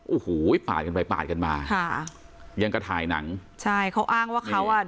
โอ้โหปาดกันไปปาดกันมาค่ะยังก็ถ่ายหนังใช่เขาอ้างว่าเขาอ่ะ